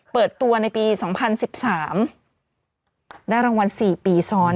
เปิดตัวในปี๒๐๑๓ได้รางวัล๔ปีซ้อน